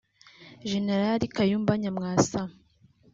Jenerali Kayumba Nyamwasa